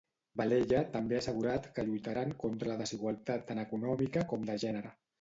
Valella també ha assegurat que lluitaran contra la desigualtat tant econòmica com de gènere.